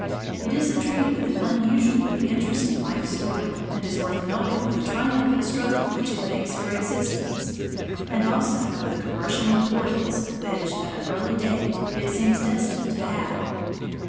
It is a tree with an unusually interesting life story, and is worth knowing for the triumphant struggle which it makes for existence, and also for the commercial importance which, at an early date, it seems destined to have.